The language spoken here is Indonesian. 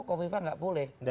kofifah tidak boleh